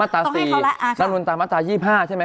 มาตรา๒๕ที่บอกว่าศิษย์ภิมนุชชน